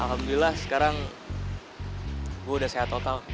alhamdulillah sekarang gue udah sehat total